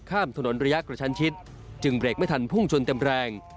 ข้ามถนนระยะกระชันชิดจึงเบรกไม่ทันพุ่งชนเต็มแรง